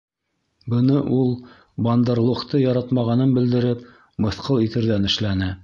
Быны ул, Бандар-логты яратмағанын белдереп, мыҫҡыл итерҙән эшләне.